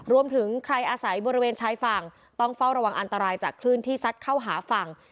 รวมถึงใครอาศัยบริเวณชายฝั่งต้องเฝ้าระวังอันตรายจากคลื่นที่ซัดเข้าหาฝั่ง